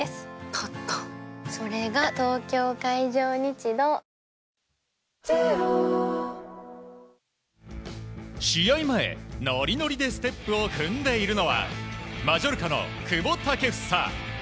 立ったそれが東京海上日動試合前、ノリノリでステップを踏んでいるのはマジョルカの久保建英。